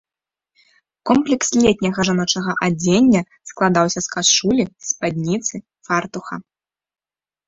Комплекс летняга жаночага адзення складаўся з кашулі, спадніцы, фартуха.